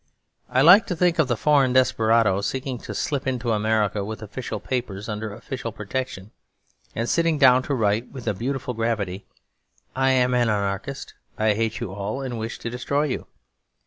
I like to think of the foreign desperado, seeking to slip into America with official papers under official protection, and sitting down to write with a beautiful gravity, 'I am an anarchist. I hate you all and wish to destroy you.'